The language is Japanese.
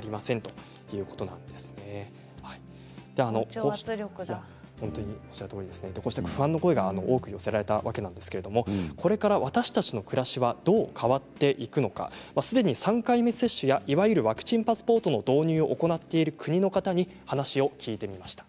こうした不安の声が多く寄せられたわけですがこれから私たちの暮らしはどう変わっていくのかすでに３回目接種やいわゆるワクチンパスポートの導入を行っている国の方に話を聞いてみました。